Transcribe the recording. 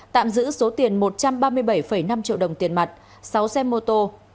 tạm giữ số tiền một trăm ba mươi bảy năm triệu đồng tiền mặt sáu xe mô tô